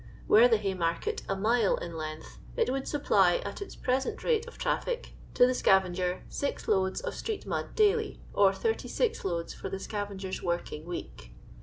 Were the Haymarket a mile in length, it would supply, at its present rate of traffic, to the scaven ' ger 6 loads of street mud daily, or 36 loads for the I hcavengcr's working week.